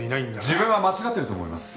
自分は間違ってると思います。